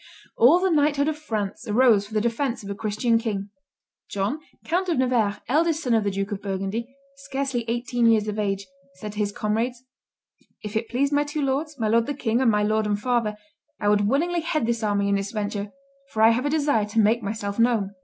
All the knighthood of France arose for the defence of a Christian king. John, Count of Nevers, eldest son of the Duke of Burgundy, scarcely eighteen years of age, said to his comrades, "If it pleased my two lords, my lord the king and my lord and father, I would willingly head this army and this venture, for I have a desire to make myself known."